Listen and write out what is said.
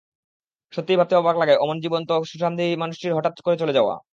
সত্যিই ভাবতে অবাক লাগে, অমন জীবন্ত, সুঠামদেহী মানুষটির হঠাৎ করে চলে যাওয়া।